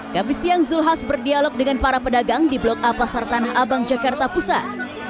habis siang zulkifli hasan berdialog dengan para pedagang di blok a pasar tanah abang jakarta pusat